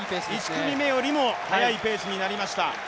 １組目よりも速いペースになりました。